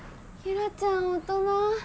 ユラちゃん大人。